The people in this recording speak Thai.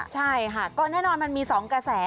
ใช่ค่ะก็แน่นอนมันมี๒กระแส